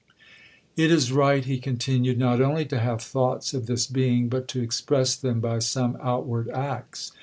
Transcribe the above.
1 Intellige 'buildings.' 'It is right,' he continued, 'not only to have thoughts of this Being, but to express them by some outward acts.